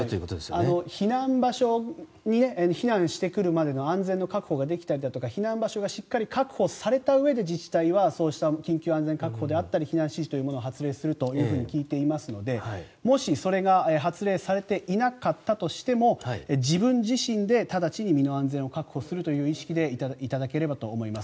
避難場所に避難してくるまでの安全の確保ができたりだとか避難場所がしっかり確保されたうえで自治体はそうした緊急安全確保だったり避難指示を発令すると聞いていますのでもし、それが発令していなかったとしても自分自身で直ちに身の安全を確保するという意識でいていただければと思います。